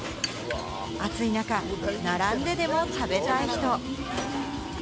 暑い中、並んででも食べたい人。